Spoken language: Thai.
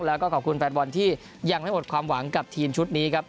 แล้วก็ขอบคุณแฟนบอลที่ยังไม่หมดความหวังกับทีมชุดนี้ครับ